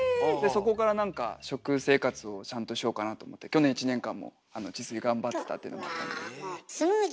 そこから何か食生活をちゃんとしようかなと思って去年１年間も自炊頑張ってたっていうのもあって。